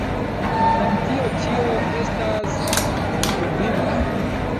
Tam tio ĉio estas dubinda.